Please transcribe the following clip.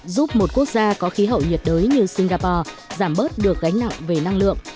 giúp một quốc gia có khí hậu nhiệt đới như singapore giảm bớt được gánh nặng về năng lượng